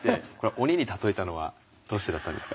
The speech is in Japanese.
鬼に例えたのはどうしてだったんですか？